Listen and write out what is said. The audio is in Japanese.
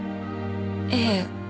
ええ。